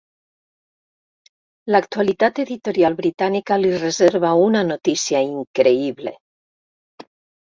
L'actualitat editorial britànica li reserva una notícia increïble.